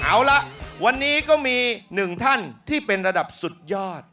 เอาละวันนี้ก็มีหนึ่งท่านที่เป็นระดับสุดยอด